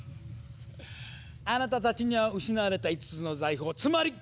あなたたちには失われた５つの財宝つまり！